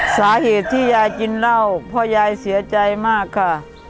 สาเหตุที่ยายกินเหล้าพ่อยายเสียใจมากค่ะ